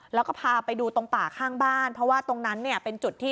แล้วก็พาไปดูตรงป่าข้างบ้านเพราะว่าตรงนั้นเนี่ยเป็นจุดที่